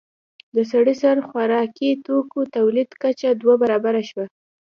د سړي سر خوراکي توکو تولید کچه دوه برابره شوه.